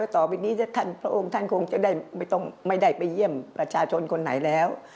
ต่อไปนี้พระองค์ท่านคงจะได้ไม่ต้องไม่ได้ไปเยี่ยมประชาชนคนไหนแล้ว